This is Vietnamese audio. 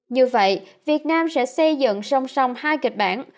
như vậy việt nam sẽ xây dựng song song hai kịch bản